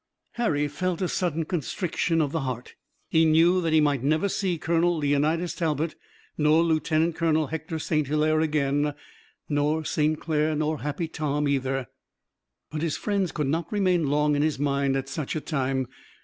Harry felt a sudden constriction of the heart. He knew that he might never see Colonel Leonidas Talbot nor Lieutenant Colonel Hector St. Hilaire again, nor St. Clair, nor Happy Tom either. But his friends could not remain long in his mind at such a time.